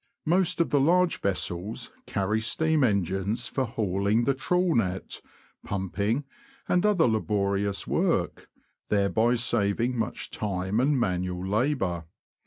Most of the large vessels carry steam engines for hauling the trawl net, pump ing, and other laborious work, thereby saving much time and manual labour.